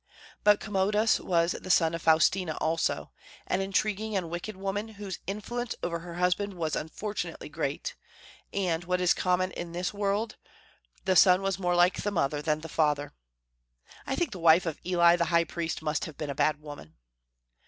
But Commodus was the son of Faustina also, an intriguing and wicked woman, whose influence over her husband was unfortunately great; and, what is common in this world, the son was more like the mother than the father. (I think the wife of Eli the high priest must have been a bad woman.)